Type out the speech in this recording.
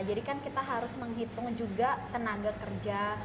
jadi kan kita harus menghitung juga tenaga kerja